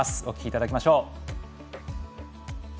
お聞きいただきましょう。